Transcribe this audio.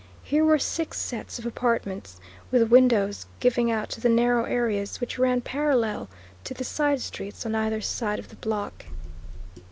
Here were six sets of apartments, with windows giving out to the narrow areas which ran parallel to the side streets on either side of the block.